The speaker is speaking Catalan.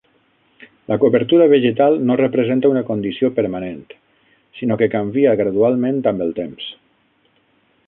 La cobertura vegetal no representa una condició permanent sinó que canvia gradualment amb el temps.